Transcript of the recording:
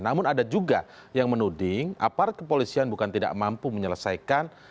namun ada juga yang menuding aparat kepolisian bukan tidak mampu menyelesaikan